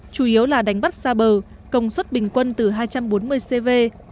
chủ yếu là đánh bắt xa bờ công suất bình quân từ hai trăm bốn mươi cv